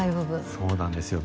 そうなんですよ。